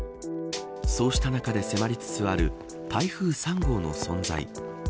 そうした中で迫りつつある台風３号の存在。